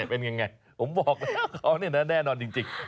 เป็นยังไงผมบอกแล้วเขาเนี่ยนะแน่นอนจริง